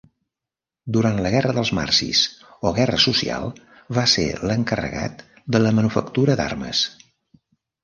Durant la guerra dels marsis o guerra social va ser l'encarregat de la manufactura d'armes.